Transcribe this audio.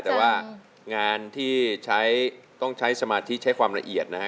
แต่ว่างานที่ใช้ต้องใช้สมาธิใช้ความละเอียดนะฮะ